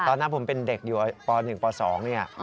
ตอนนั้นผมเป็นเด็กอยู่ป๑ป๒เนี่ย